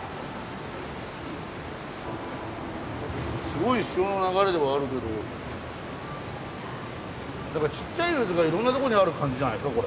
すごい潮の流れではあるけどちっちゃい渦がいろんな所にある感じじゃないですか？